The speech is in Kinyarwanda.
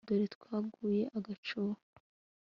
dore twaguye agacuho